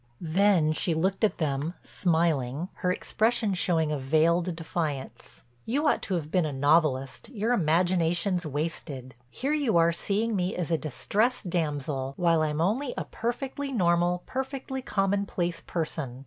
Then she looked at them, smiling, her expression showing a veiled defiance, "You ought to have been a novelist—your imagination's wasted. Here you are seeing me as a distressed damsel, while I'm only a perfectly normal, perfectly common place person.